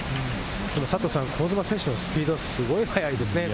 香妻選手のスピード、すごい速いですね。